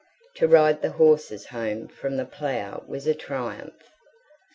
To ride the horses home from the plough was a triumph.